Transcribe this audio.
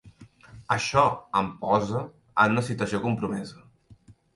Això em posa en una situació compromesa.